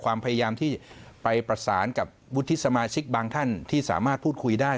ความพยายามที่ไปประสานกับวุฒิสมาชิกบางท่านที่สามารถพูดคุยได้